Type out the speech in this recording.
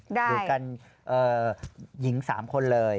หรือกันเออหญิง๓คนเลย